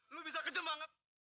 lo bisa kejam banget